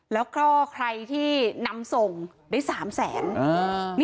แล้วก็ใครที่นำส่งได้๓แสน